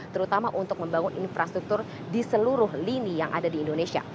terutama untuk membangun infrastruktur di seluruh lini yang ada di indonesia